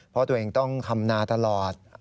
เพราะตัวเองต้องทำนาตลอด